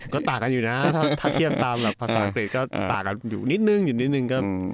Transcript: ก็ต่างกันอยู่นะถ้าเทียบตามภาษาอังกฤษก็ต่างกันอยู่นิดนึงอยู่นิดนึงก็